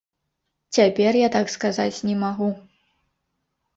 Цяпер я так сказаць не магу.